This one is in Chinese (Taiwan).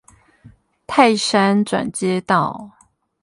泰山轉接道